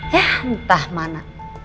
ya entah mana